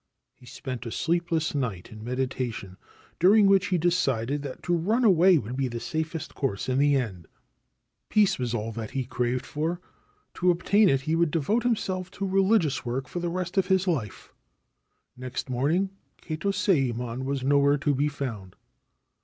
He spent a sleepless night in meditation, during which he decided that to run away would be the safest course in the end. Peace was all that he craved for. To obtain it, he would devote himself to religious work for the rest of his life. Next morning Kato Sayemon was nowhere to be found.